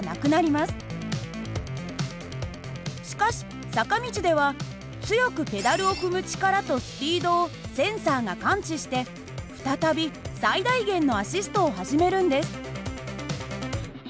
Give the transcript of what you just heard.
しかし坂道では強くペダルを踏む力とスピードをセンサーが感知して再び最大限のアシストを始めるんです。